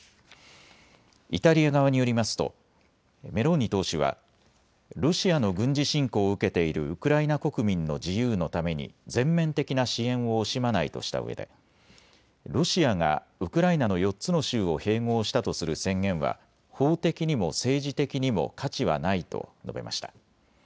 イタリア側によりますとメローニ党首はロシアの軍事侵攻を受けているウクライナ国民の自由のために全面的な支援を惜しまないとしたうえでロシアがウクライナの４つの州を併合したとする宣言は法的にも政治的にも価値はないと述べました。